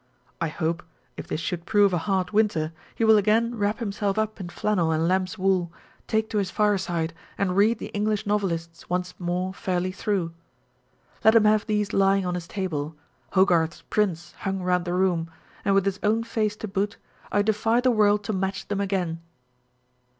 I hope, if this should prove a hard winter, he will again wrap himself up in flannel and lamb's wool, take to his fire side, and read the English Novelists once more fairly through. Let him have these lying on his table, Hogarth's prints hung round the room, and with his own face to boot, I defy the world to match them again